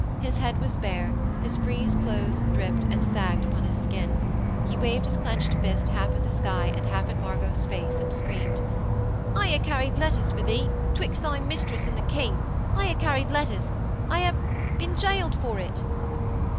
His head was bare, his frieze clothes dripped and sagged upon his skin: he waved his clenched fist half at the sky and half at Margot's face and screamed: 'I ha' carried letters for thee, 'twixt thy mistress and the King! I ha' carried letters. I ... ha' ... been gaoled for it.'